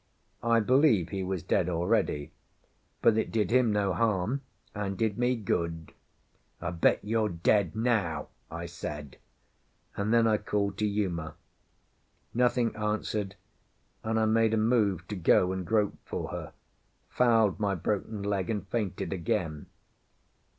I believe he was dead already, but it did him no harm and did me good. "I bet you're dead now," I said, and then I called to Uma. Nothing answered, and I made a move to go and grope for her, fouled my broken leg, and fainted again.